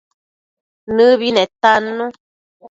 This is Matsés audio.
Nëbi netannu